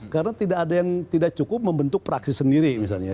karena tidak cukup membentuk praksi sendiri misalnya